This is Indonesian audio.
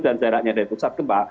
dan jaraknya dari pusat gempa